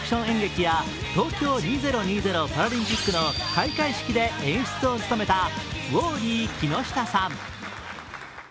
演劇や東京２０２０パラリンピックの開会式で演出を務めたウォーリー木下さん。